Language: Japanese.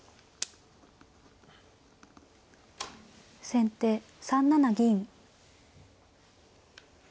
先手３七銀。